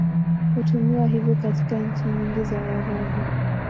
Hutumiwa hivyo katika nchi nyingi za Waarabu.